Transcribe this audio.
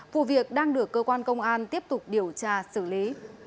vụ việc đang được cơ quan công an tiếp tục điều tra xử lý